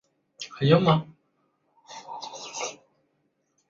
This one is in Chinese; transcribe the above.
格雷维尔把艾玛给威廉爵士以偿还他的债务。